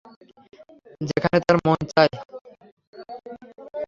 যেখানে তার মন চায়।